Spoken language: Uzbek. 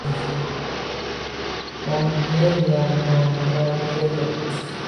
Yangi yil yangi omadlar olib keldi